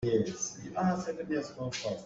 Phe naa kah bal maw?